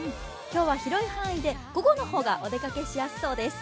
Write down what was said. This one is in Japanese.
今日は広い範囲で午後の方がお出かけしやすそうです。